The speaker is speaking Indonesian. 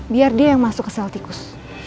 biar dia yang masuk ke sel tikus